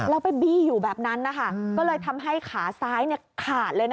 แล้วไปบี้อยู่แบบนั้นนะคะก็เลยทำให้ขาซ้ายขาดเลยนะ